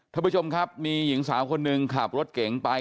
ท่านผู้ชมครับมีหญิงสาวคนหนึ่งขับรถเก๋งไป